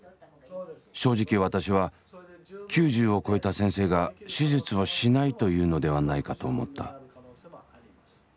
正直私は９０を超えた先生が手術をしないと言うのではないかと思った。